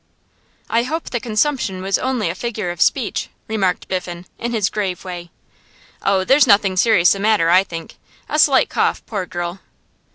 'I hope the consumption was only a figure of speech,' remarked Biffen in his grave way. 'Oh, there's nothing serious the matter, I think. A slight cough, poor girl.